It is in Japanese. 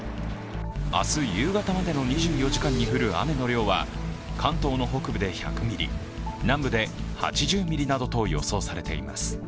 明日夕方までの２４時間に降る雨の量は関東の北部で１００ミリ南部で８０ミリなどと予想されています。